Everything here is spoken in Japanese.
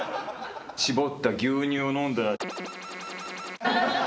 搾った牛乳を飲んだ。